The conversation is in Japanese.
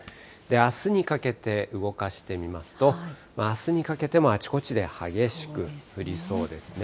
あすにかけて動かしてみますと、あすにかけてもあちこちで激しく降りそうですね。